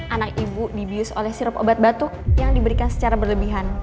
anak ibu dibius oleh sirup obat batuk yang diberikan secara berlebihan